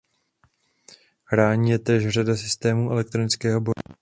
Chrání je též řada systémů elektronického boje.